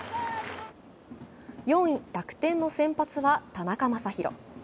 ４位・楽天の先発は田中将大。